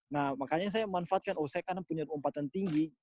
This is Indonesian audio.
nah makanya saya manfaatkan oh saya karena punya lompatan tinggi